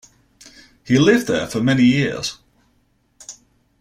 He lived there for many years.